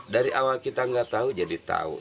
dari awal kita nggak tahu jadi tahu